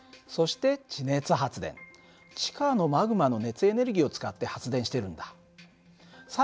そして地下のマグマの熱エネルギーを使って発電してるんだ。